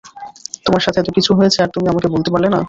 তোমার সাথে এত কিছু হয়েছে আর তুমি আমাকে বলতে পারলে না?